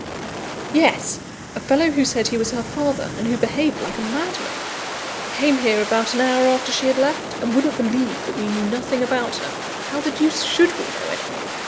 "Yes; a fellow who said he was her father, and who behaved like a madman. He came here about an hour after she had left, and wouldn't believe that we knew nothing about her (how the deuce should we know anything!)